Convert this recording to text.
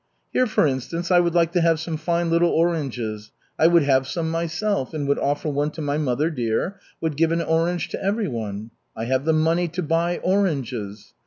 Here, for instance, I would like to have some fine little oranges, I would have some myself, would offer one to my mother dear, would give an orange to everyone. I have the money to buy oranges.